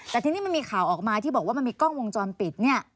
แต่ทีนี้มันมีข่าวออกมาที่บอกว่ามันมีกล้องวงจรปิดเนี่ย